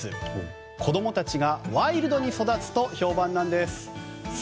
子供たちがワイルドに育つと評判なんです。